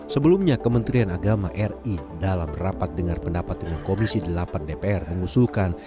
sebelumnya kementerian agama ri dalam rapat dengar pendapat dengan komisi delapan dpr mengusulkan